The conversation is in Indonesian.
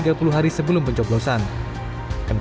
seharusnya dikawal oleh ktp elektronik